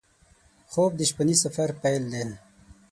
خوب د شپهني سفر پیل دی